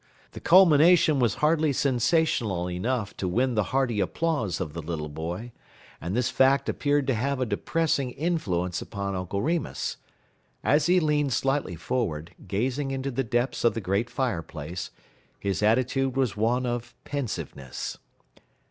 The culmination was hardly sensational enough to win the hearty applause of the little boy, and this fact appeared to have a depressing influence upon Uncle Remus. As he leaned slightly forward, gazing into the depths of the great fireplace, his attitude was one of pensiveness.